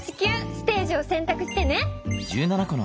ステージをせんたくしてね！